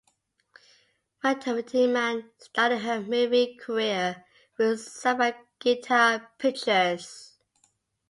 Matimtiman started her movie career with Sampaguita Pictures.